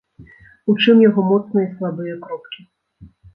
У чым яго моцныя і слабыя кропкі.